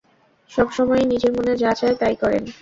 সবসময়ই নিজের মনে যা চায় তাই করেন।